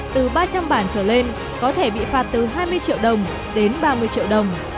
từ ba trăm linh bản trở lên có thể bị phạt từ hai mươi triệu đồng đến ba mươi triệu đồng